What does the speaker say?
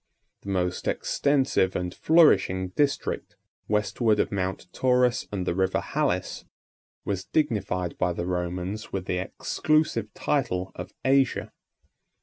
The most extensive and flourishing district, westward of Mount Taurus and the River Halys, was dignified by the Romans with the exclusive title of Asia.